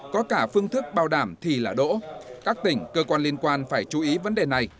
có cả phương thức bảo đảm thì là đỗ các tỉnh cơ quan liên quan phải chú ý vấn đề này